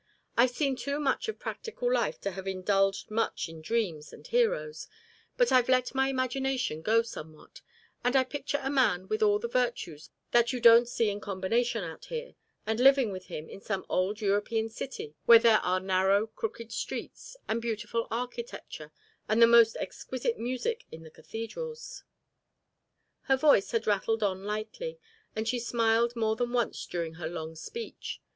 I've seen too much of practical life to have indulged much in dreams and heroes; but I've let my imagination go somewhat, and I picture a man with all the virtues that you don't see in combination out here, and living with him in some old European city where there are narrow crooked streets, and beautiful architecture, and the most exquisite music in the cathedrals." Her voice had rattled on lightly, and she smiled more than once during her long speech.